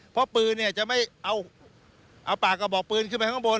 เพราะปืนเนี่ยจะไม่เอาปากกระบอกปืนขึ้นไปข้างบน